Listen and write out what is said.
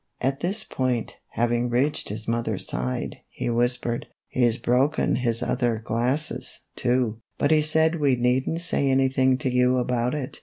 At this point, having reached his mother's side, he whispered :" He 's broken his other glasses, too, but he said we need n't say anything to you about it."